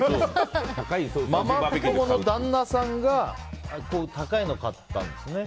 ママ友の旦那さんが高いのを買ったんですね。